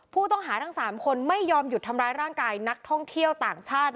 ผู้ต้องหาทั้ง๓คนไม่ยอมหยุดทำร้ายร่างกายนักท่องเที่ยวต่างชาติ